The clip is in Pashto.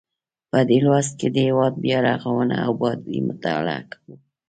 په دې لوست کې د هیواد بیا رغونه او ابادي مطالعه کوو.